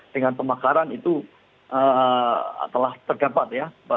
dengan pemekaran itu telah tergambar ya